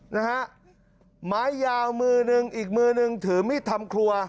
นะฮะไม้ยาวมือหนึ่งอีกมือหนึ่งถือมีดทำครัว